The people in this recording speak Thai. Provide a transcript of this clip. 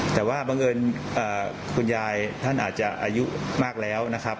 แต่ว่าบังเอิญคุณยายท่านอาจจะอายุมากแล้วนะครับ